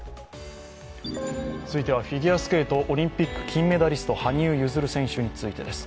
続いてはフィギュアスケート、オリンピック金メダリスト、羽生結弦選手についてです。